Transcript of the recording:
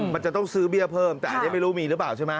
มันจะต้องซื้อเบี้ยเพิ่มแต่อันนี้ไม่รู้มีหรือเปล่าใช่ไหม